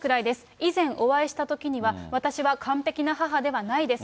以前、お会いしたときには私は完璧な母ではないです。